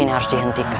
ini harus dihentikan